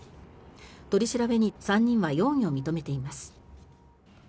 取り調べに３人は容疑を認めています。